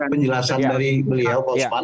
penjelasan dari beliau pak ustadz